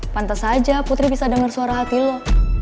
pantes aja putri bisa denger suara hati lo